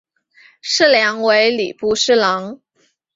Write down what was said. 事梁为礼部侍郎。